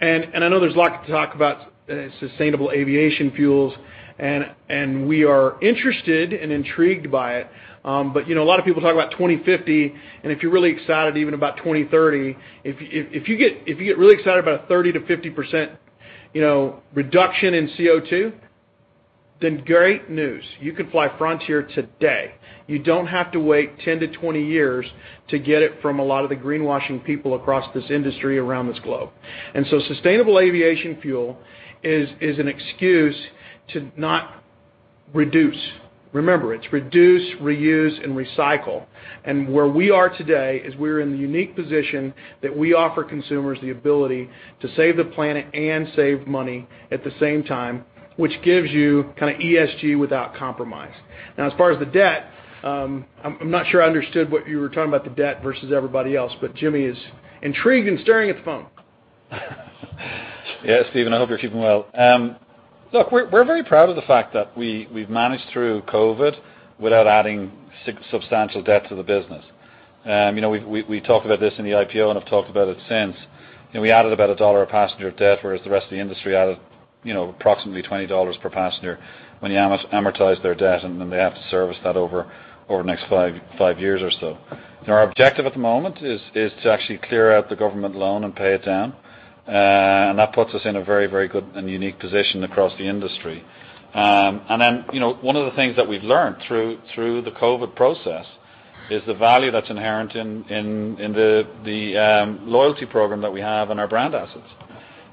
I know there's a lot to talk about sustainable aviation fuels, and we are interested and intrigued by it. But, you know, a lot of people talk about 2050, and if you're really excited even about 2030, if you get really excited about a 30%-50% reduction in CO2, then great news. You could fly Frontier today. You don't have to wait 10-20 years to get it from a lot of the greenwashing people across this industry around this globe. Sustainable aviation fuel is an excuse to not reduce. Remember, it's reduce, reuse, and recycle. Where we are today is we're in the unique position that we offer consumers the ability to save the planet and save money at the same time, which gives you kind of ESG without compromise. Now, as far as the debt, I'm not sure I understood what you were talking about the debt versus everybody else, but Jimmy is intrigued and staring at the phone. Yeah, Stephen, I hope you're keeping well. Look, we're very proud of the fact that we've managed through COVID without adding substantial debt to the business. You know, we've talked about this in the IPO and have talked about it since. You know, we added about $1 per passenger of debt, whereas the rest of the industry added, you know, approximately $20 per passenger when you amortize their debt, and then they have to service that over the next five years or so. Our objective at the moment is to actually clear out the government loan and pay it down. That puts us in a very good and unique position across the industry. You know, one of the things that we've learned through the COVID process is the value that's inherent in the loyalty program that we have and our brand assets.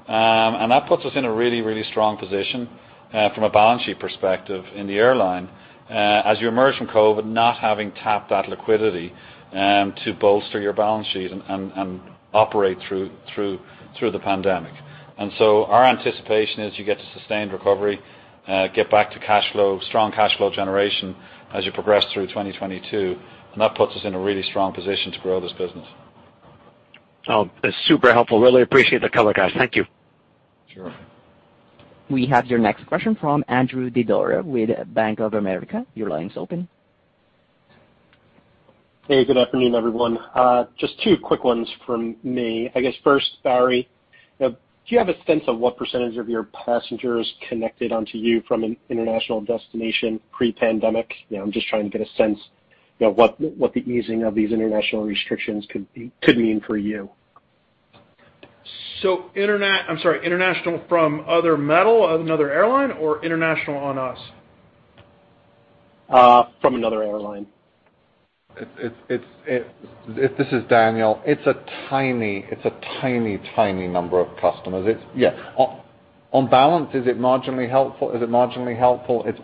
That puts us in a really strong position from a balance sheet perspective in the airline as you emerge from COVID not having tapped that liquidity to bolster your balance sheet and operate through the pandemic. Our anticipation is you get to sustained recovery, get back to cash flow, strong cash flow generation as you progress through 2022, and that puts us in a really strong position to grow this business. Oh, that's super helpful. Really appreciate the color, guys. Thank you. Sure. We have your next question from Andrew Didora with Bank of America. Your line's open. Hey, good afternoon, everyone. Just two quick ones from me. I guess first, Barry, do you have a sense of what percentage of your passengers connected onto you from an international destination pre-pandemic? You know, I'm just trying to get a sense, you know, what the easing of these international restrictions could mean for you. I'm sorry, international from other metal, another airline or international on us? From another airline. This is Daniel. It's a tiny number of customers. Yeah. On balance, is it marginally helpful? It's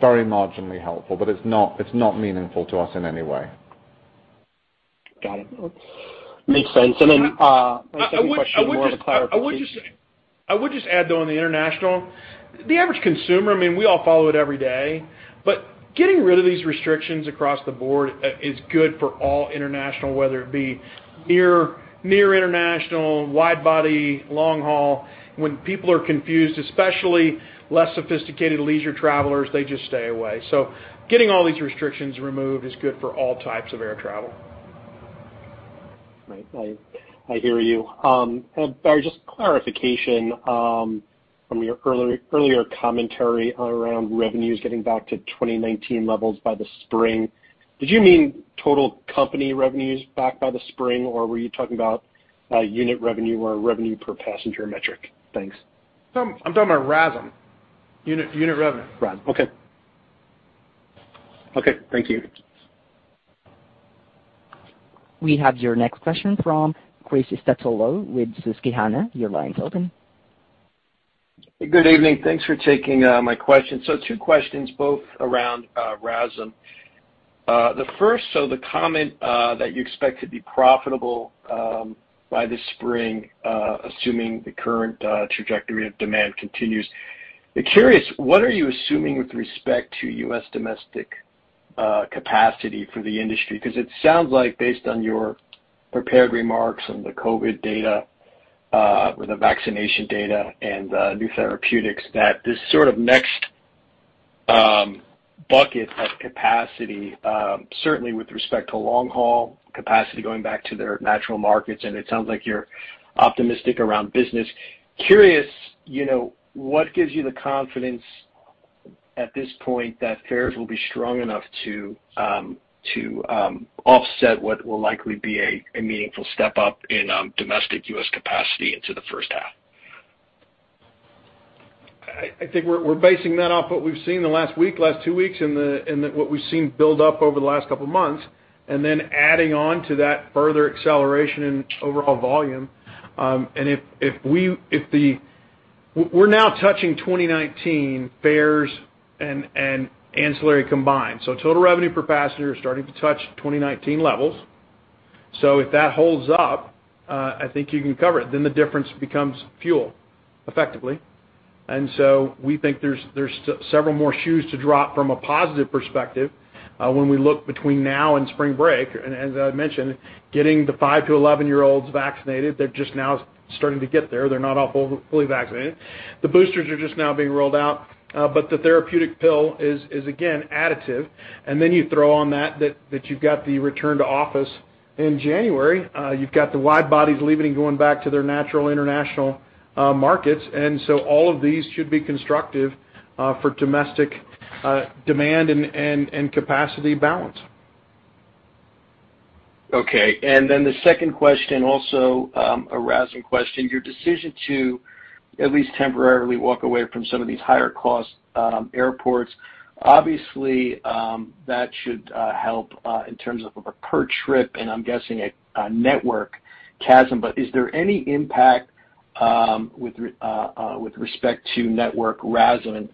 very marginally helpful, but it's not meaningful to us in any way. Got it. Makes sense. My second question is more of a clarification. I would just add, though, on the international, the average consumer. I mean, we all follow it every day, but getting rid of these restrictions across the board is good for all international, whether it be near international, wide body, long haul. When people are confused, especially less sophisticated leisure travelers, they just stay away. Getting all these restrictions removed is good for all types of air travel. Right. I hear you. Barry, just clarification from your earlier commentary around revenues getting back to 2019 levels by the spring. Did you mean total company revenues back by the spring, or were you talking about unit revenue or revenue per passenger metric? Thanks. I'm talking about RASM, unit revenue. RASM. Okay, thank you. We have your next question from Christopher Stathoulopoulos with Susquehanna. Your line is open. Good evening. Thanks for taking my question. Two questions, both around RASM. The first, the comment that you expect to be profitable by the spring, assuming the current trajectory of demand continues. I'm curious, what are you assuming with respect to U.S. domestic capacity for the industry? Because it sounds like based on your prepared remarks and the COVID data or the vaccination data and new therapeutics, that this sort of next bucket of capacity, certainly with respect to long-haul capacity going back to their natural markets, and it sounds like you're optimistic around business. Curious, you know, what gives you the confidence at this point that fares will be strong enough to offset what will likely be a meaningful step up in domestic U.S. capacity into the first half? I think we're basing that off what we've seen in the last week, last two weeks, and what we've seen build up over the last couple of months, and then adding on to that further acceleration in overall volume. If we're now touching 2019 fares and ancillary combined. Total revenue per passenger is starting to touch 2019 levels. If that holds up, I think you can cover it, then the difference becomes fuel, effectively. We think there's several more shoes to drop from a positive perspective, when we look between now and spring break. As I mentioned, getting the 5-11 year olds vaccinated, they're just now starting to get there. They're not all fully vaccinated. The boosters are just now being rolled out, but the therapeutic pill is again additive. Then you throw on that you've got the return to office in January. You've got the wide-bodies leaving and going back to their natural international markets. So all of these should be constructive for domestic demand and capacity balance. Okay. The second question, also, a RASM question. Your decision to at least temporarily walk away from some of these higher cost airports, obviously, that should help in terms of a per trip, and I'm guessing a network CASM, but is there any impact with respect to network RASM?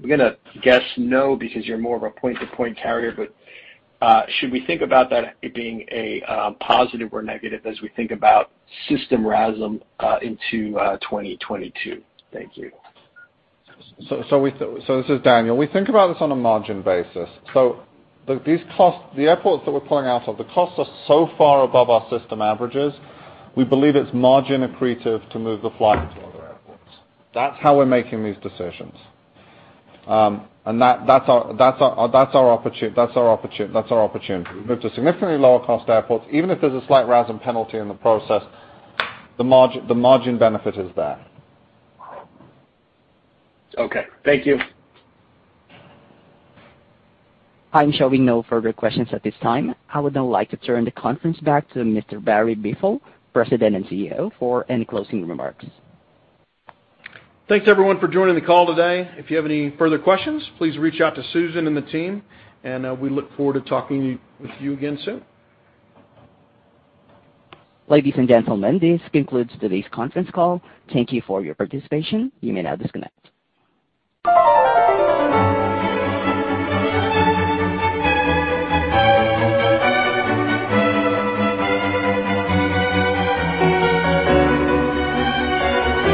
I'm gonna guess no because you're more of a point-to-point carrier, but should we think about that being a positive or negative as we think about system RASM into 2022? Thank you. This is Daniel. We think about this on a margin basis. These costs, the airports that we're pulling out of, the costs are so far above our system averages, we believe it's margin accretive to move the flight to other airports. That's how we're making these decisions. That's our opportunity. We move to significantly lower cost airports. Even if there's a slight RASM penalty in the process, the margin benefit is there. Okay. Thank you. I'm showing no further questions at this time. I would now like to turn the conference back to Mr. Barry Biffle, President and CEO, for any closing remarks. Thanks everyone for joining the call today. If you have any further questions, please reach out to Susan and the team, and we look forward to talking with you again soon. Ladies and gentlemen, this concludes today's conference call. Thank you for your participation. You may now disconnect.